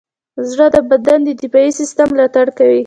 زړه د بدن د دفاعي سیستم ملاتړ کوي.